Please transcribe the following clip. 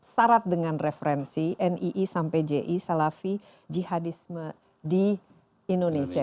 syarat dengan referensi nii sampai ji salafi jihadisme di indonesia